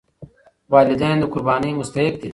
والدین د قربانۍ مستحق دي.